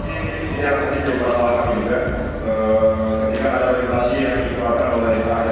ini adalah kebijakan baru juga